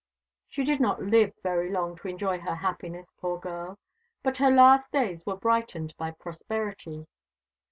She did not live very long to enjoy her happiness, poor girl; but her last days were brightened by prosperity.